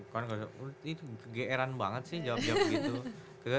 kegeeran banget sih jawab jawab gitu